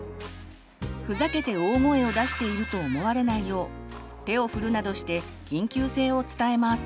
ふざけて大声を出していると思われないよう手を振るなどして緊急性を伝えます。